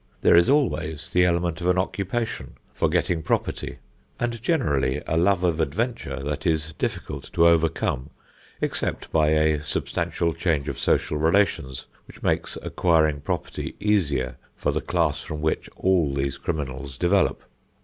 There is always the element of an occupation, for getting property, and generally a love of adventure that is difficult to overcome, except by a substantial change of social relations which makes acquiring property easier for the class from which all these criminals develop.